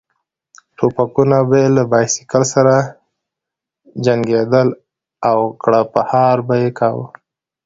ټوپکونه به یې له بایسکل سره جنګېدل او کړپهار به یې کاوه.